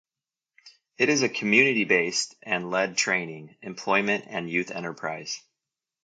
It is a community-based and led training, employment and youth enterprise.